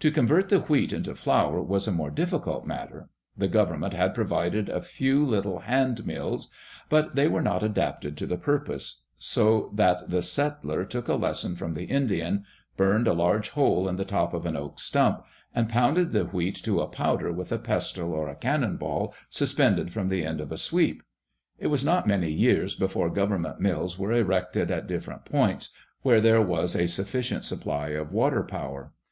To convert the wheat into flour was a more difficult matter. The government had provided a few little hand mills, but they were not adapted to the purpose; so that the settler took a lesson from the Indian, burned a large hole in the top of an oak stump and pounded the wheat to a powder with a pestle or a cannon ball suspended from the end of a sweep. It was not many years before government mills were erected at different points, where there was a sufficient supply of water power.